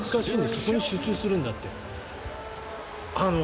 そこに集中するんだって。